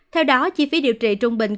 theo đó chi phí điều trị trung bình